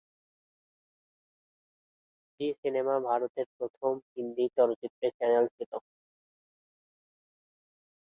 জি Cinema ভারতের প্রথম হিন্দি চলচ্চিত্রের চ্যানেল ছিল।